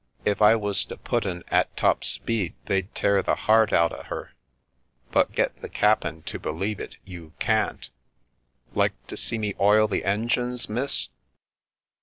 If I was to put 'en at top speed they'd tear the heart out o' her, but get the cap'en to believe it you can't. Like to see me oil the engines, miss